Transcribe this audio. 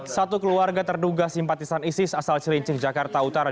satu keluarga terduga simpatisan isis asal cilincih jakarta utara